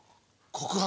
・告白？